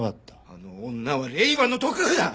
あの女は令和の毒婦だ！